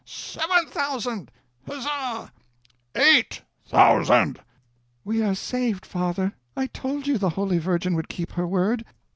"Seven thousand!" "Huzza!" "EIGHT thousand!" "We are saved, father! I told you the Holy Virgin would keep her word!"